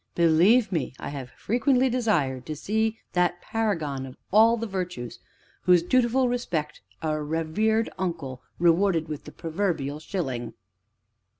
"Believe me, I have frequently desired to see that paragon of all the virtues whose dutiful respect our revered uncle rewarded with the proverbial shilling.